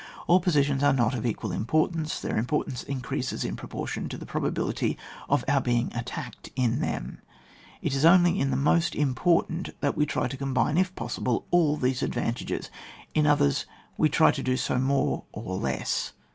All positions are not of equal importance; their importance increases in proportion to the probability of our being attacked in them. It is only in the most important that we tiy to com bine, if possible, all these advantages ; in others we try to do so more or less.